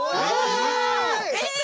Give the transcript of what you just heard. すごい。